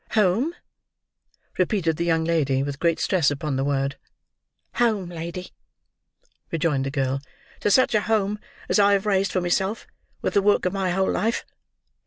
"Home!" repeated the young lady, with great stress upon the word. "Home, lady," rejoined the girl. "To such a home as I have raised for myself with the work of my whole life.